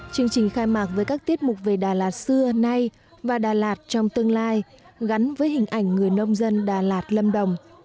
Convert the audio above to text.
chương trình khai mạc với các tiết mục về đà lạt xưa nay và đà lạt trong tương lai gắn với hình ảnh người nông dân đà lạt lâm đồng